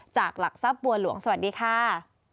หลักทรัพย์บัวหลวงสวัสดีค่ะ